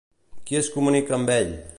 Qui es comunica amb ell?